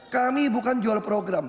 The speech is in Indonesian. kami bukan jual program